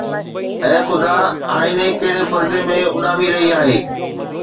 اي خدا، آئيني ڪهڙي پردي ۾ اڏامي رهي آهي؟